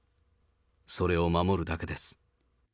それを守るだけです。